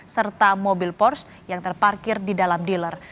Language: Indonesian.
serta mobil pors yang terparkir di dalam dealer